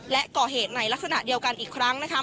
และก่อเหตุในลักษณะเดียวกันอีกครั้งนะคะ